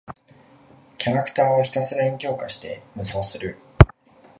キャラクターをひたすらに強化して無双する。